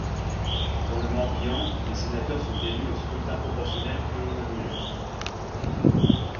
Dans le Morbihan, les sénateurs sont élus au scrutin proportionnel plurinominal.